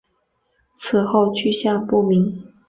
此后去向不明。